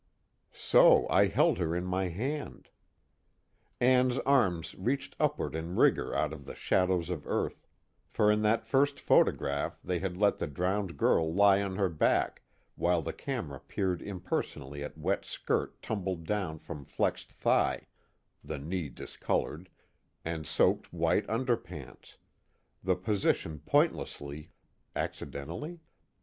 So I held her in my hand. Ann's arms reached upward in rigor out of the shadow of earth, for in that first photograph they had let the drowned girl lie on her back while the camera peered impersonally at wet skirt tumbled down from flexed thigh (the knee discolored), and soaked white underpants, the position pointlessly (accidentally?)